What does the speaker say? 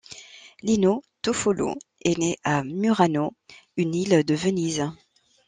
Lino Toffolo est né à Murano, une ile de Venise.